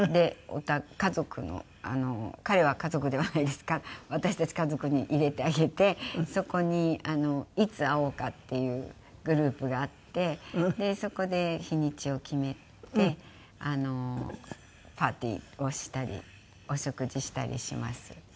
家族の彼は家族ではないですから私たち家族に入れてあげてそこに「いつ会おうか」っていうグループがあってそこで日にちを決めてパーティーをしたりお食事したりします。